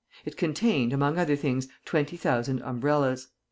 It contained, among other things twenty thousand umbrellas.